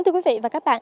quý vị và các bạn